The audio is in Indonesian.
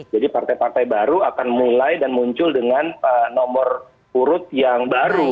partai partai baru akan mulai dan muncul dengan nomor urut yang baru